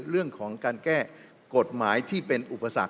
เรื่องของการแก้กฎหมายที่เป็นอุปสรรค